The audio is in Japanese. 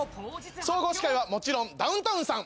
総合司会はもちろんダウンタウンさん